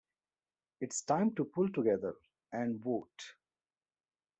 It's time to pull together and vote.